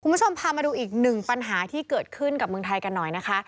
คุณผู้ชมพามาดูอีกหนึ่งปัญหาที่เกิดขึ้นกับเมืองไทยกันหน่อยนะคะ